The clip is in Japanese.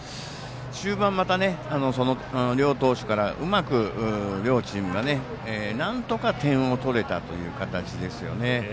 終盤、またその両投手から、うまく両チームがなんとか点を取れたという形ですよね。